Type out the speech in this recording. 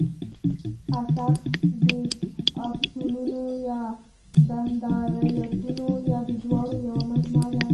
عصب د آکسونونو یا دندرایتونو یا د دواړو یوه مجموعه ده.